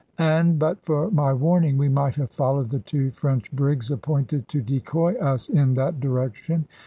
And but for my warning, we might have followed the two French brigs appointed to decoy us in that direction.